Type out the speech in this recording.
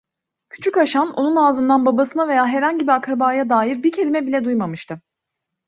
Küçük Haşan onun ağzından babasına veya herhangi bir akrabaya dair bir kelime bile duymamıştı.